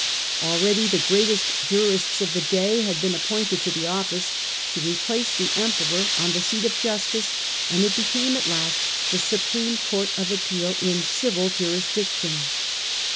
Already the great est jurists of the day had been appointed to the office, to replace the Emperor on the seat of justice, and it became at last the supreme court of appeal in civil juris diction.